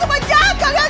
cuma jahat kalian